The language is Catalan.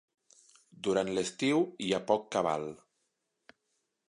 Durant l'estiu, hi ha poc cabal.